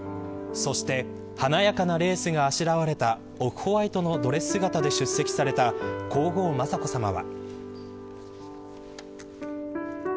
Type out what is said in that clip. そして華やかなレースがあしらわれたオフホワイトのドレス姿で出席された皇后雅子さまは。